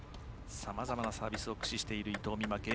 さまざまなサービスを駆使している、伊藤美誠。